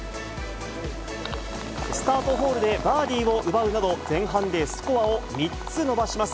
スタートホールでバーディーを奪うなど、前半でスコアを３つ伸ばします。